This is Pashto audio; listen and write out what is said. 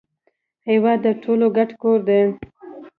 هیواد د ټولو ګډ کور دی